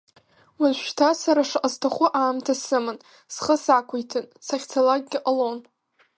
Уажәшьҭа сара шаҟа сҭаху аамҭа сыман, схы сақәиҭын, сахьцалакгьы ҟалон.